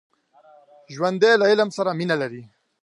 ژوندي له علم سره مینه لري